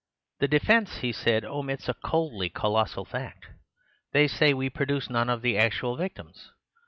"The defence," he said, "omits a coldly colossal fact. They say we produce none of the actual victims.